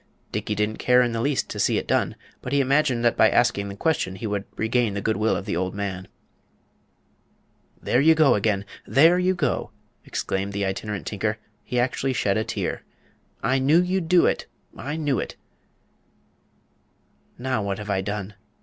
Dickey didn't care in the least to see it done, but he imagined that by asking the question he would regain the good will of the old man. "There you go again! There you go!" exclaimed the Itinerant Tinker. He actually shed a tear. "I knew you'd do it I knew it!" "Now what have I done?"